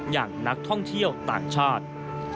อย่างนักท่องเที่ยวต่างชาติ